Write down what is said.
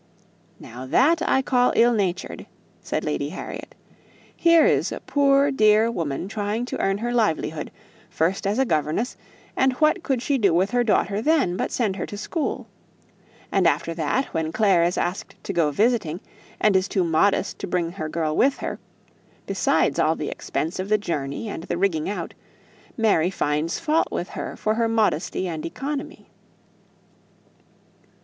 "Now that I call ill natured," said Lady Harriet; "here is a poor dear woman trying to earn her livelihood, first as a governess, and what could she do with her daughter then, but send her to school? and after that, when Clare is asked to go visiting, and is too modest to bring her girl with her besides all the expense of the journey, and the rigging out Mary finds fault with her for her modesty and economy."